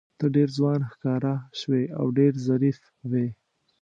ته ډېر ځوان ښکاره شوې او ډېر ظریف وې.